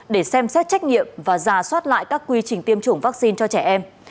để xem xét trách nhiệm và giả soát lại các quy trình tiêm chủng vaccine cho trẻ em